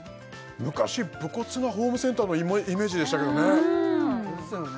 昔武骨なホームセンターのイメージでしたけどねですよね